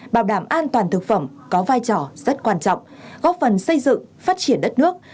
bảo đảm an toàn thực phẩm có vai trò rất quan trọng góp phần xây dựng phát triển đất nước